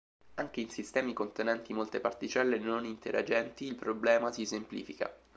Anche in sistemi contenenti molte particelle non interagenti, il problema si semplifica.